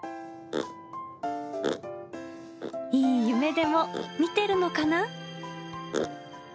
いい夢でも見てるのかな。